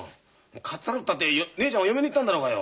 かっさらうったって姉ちゃんは嫁に行ったんだろうがよ。